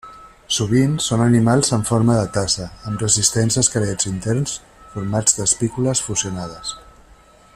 Sovint són animals en forma de tassa, amb resistents esquelets interns formats d'espícules fusionades.